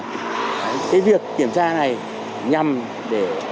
cái việc kiểm tra này nhằm để